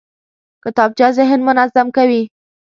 کتابچه ذهن منظم کوي